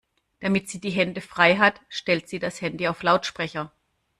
Damit sie die Hände frei hat, stellt sie das Handy auf Lautsprecher.